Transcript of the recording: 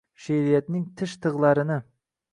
She’riyatning tish-tig’larini